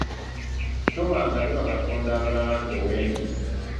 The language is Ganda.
Tobanga ne bakatonda balala nze wendi.